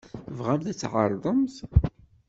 Tebɣamt ad tɛerḍemt?